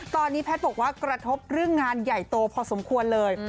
ตอนนี้แพทย์บอกว่ากระทบเรื่องงานใหญ่โตพอสมควรเลย